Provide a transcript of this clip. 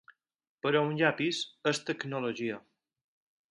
Però un llapis és tecnologia.